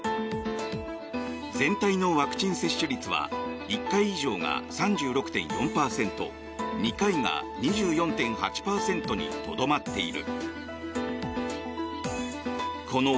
全体のワクチン接種率は１回以上が３６．４％２回が２４．８％にとどまっている。